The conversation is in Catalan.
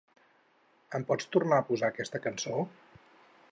Em pots tornar a posar aquesta cançó?